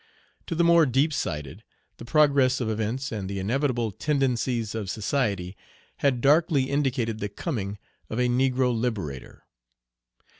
To the more deep sighted, the progress of events and the inevitable tendencies of society had darkly indicated the coming of a negro liberator.